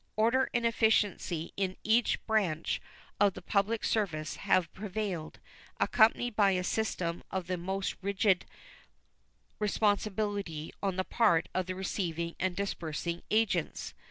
Order and efficiency in each branch of the public service have prevailed, accompanied by a system of the most rigid responsibility on the part of the receiving and disbursing agents.